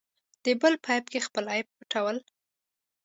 د بل په عیب کې خپل عیب پټول.